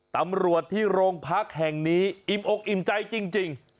ตำรวจที่โรงพักแห่งนี้อิ่มอกอิ่มใจจริง